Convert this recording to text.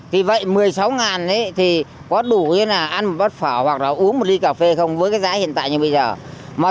thì vậy một mươi sáu ngàn có đủ ăn một bát phở hoặc là uống một ly cà phê không với giá hiện tại như bây giờ